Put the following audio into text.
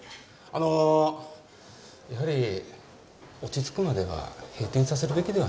あのやはり落ち着くまでは閉店させるべきではないですか？